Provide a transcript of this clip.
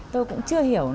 tôi cũng chưa hiểu